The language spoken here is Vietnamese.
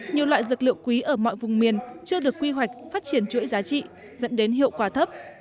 nhiều loại dược liệu quý ở mọi vùng miền chưa được quy hoạch phát triển chuỗi giá trị dẫn đến hiệu quả thấp